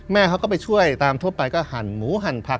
แม่เขาก็ไปช่วยตามทั่วไปก็หั่นหมูหั่นผัก